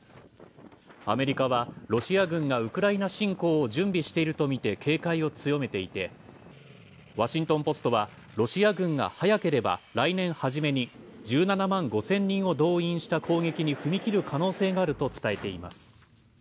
アメリカはロシア軍がウクライナ侵攻を準備しているとみて、警戒を強めていてワシントンポストはロシア軍が早ければ来年初めに１７万５０００人を動員した攻撃に踏み切る可能性があると伝えています。